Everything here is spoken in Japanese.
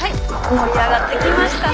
盛り上がってきましたね。